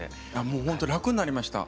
もうほんと楽になりました。